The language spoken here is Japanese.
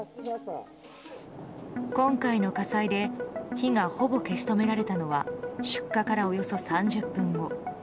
今回の火災で火がほぼ消し止められたのは出火からおよそ３０分後。